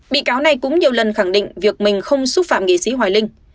bị cáo này cũng nhiều lần khẳng định việc mình không xúc phạm nghị sĩ hoài linh